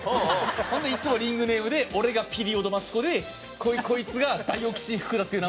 そんでいつもリングネームで俺がピリオド益子でこいつがダイオキシン福田っていう名前で。